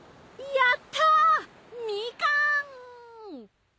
やったぁみかん！